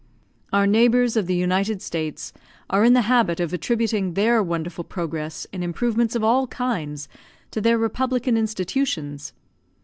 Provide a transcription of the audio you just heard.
Our neighbours of the United States are in the habit of attributing their wonderful progress in improvements of all kinds to their republican institutions.